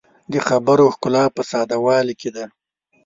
د خبرو ښکلا په ساده والي کې ده